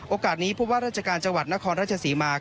โอกาสนี้ผู้ว่าราชการจังหวัดนครราชศรีมา